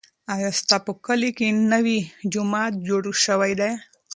ایا ستا په کلي کې نوی جومات جوړ شوی دی؟